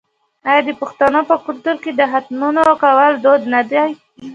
آیا د پښتنو په کلتور کې د ختمونو کول دود نه دی؟